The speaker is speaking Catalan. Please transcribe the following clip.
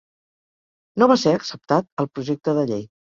No va ser acceptat el projecte de llei.